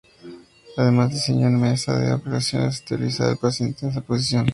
Además, diseñó una mesa de operaciones para estabilizar al paciente en esta posición.